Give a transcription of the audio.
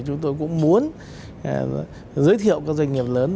chúng tôi cũng muốn giới thiệu các doanh nghiệp lớn